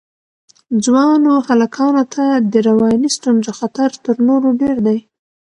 ځوانو هلکانو ته د رواني ستونزو خطر تر نورو ډېر دی.